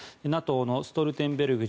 ＮＡＴＯのストルテンベルグ